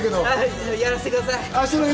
やらせてください！